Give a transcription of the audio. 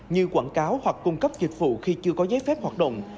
như quảng cáo hoặc cung cấp dịch vụ khi chưa có giấy phép hoạt động